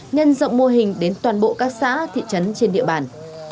nhân rộng mô hình đến toàn bộ các xã thị trấn trên địa bàn